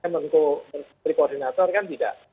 menurut koordinator kan tidak